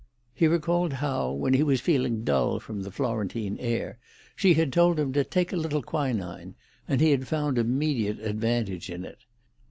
He recalled how, when he was feeling dull from the Florentine air, she had told him to take a little quinine, and he had found immediate advantage in it.